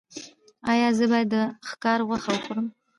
ایا زه باید د ښکار غوښه وخورم؟